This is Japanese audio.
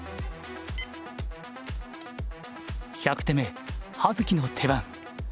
１００手目葉月の手番。